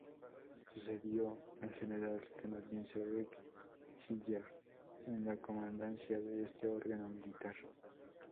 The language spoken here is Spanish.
Sucedió al General canadiense Rick J. Hillier en la comandancia de este órgano militar.